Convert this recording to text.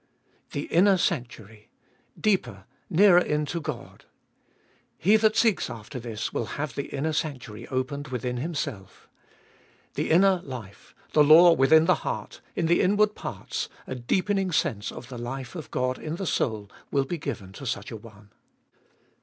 2. The inner sanctuary— deeper, nearer in to God. He that seeks after this will have the inner sanctuary opened within Himself. The inner life, the law within the heart, in the inward parts, a deepening sense of the life of God in the soul will be given to such a one.